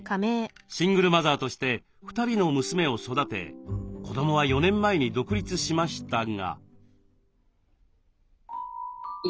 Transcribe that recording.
シングルマザーとして２人の娘を育て子どもは４年前に独立しましたが。